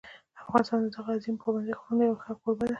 افغانستان د دغو عظیمو پابندي غرونو یو ښه کوربه دی.